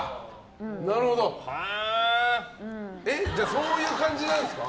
そういう感じなんですか？